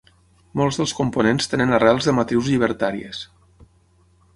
Molts dels components tenen arrels de matrius llibertaries.